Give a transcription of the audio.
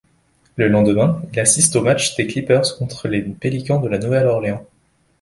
Le lendemain, il assiste au match des Clippers contre les Pelicans de La Nouvelle-Orléans.